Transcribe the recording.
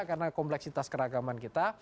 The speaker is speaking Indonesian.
karena kompleksitas keragaman kita